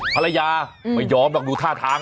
ภรรยาไม่ยอมดูท่าทาง